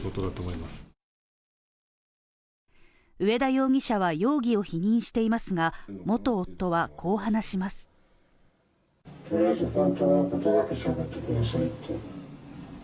上田容疑者は容疑を否認していますが、元夫は、こう話します。